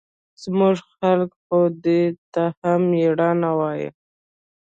زموږ خلق خو دې ته هم مېړانه وايي.